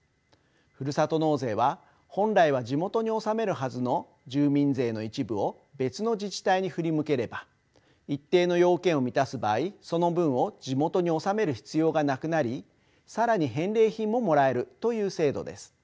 ふるさと納税は本来は地元に納めるはずの住民税の一部を別の自治体に振り向ければ一定の要件を満たす場合その分を地元に納める必要がなくなり更に返礼品ももらえるという制度です。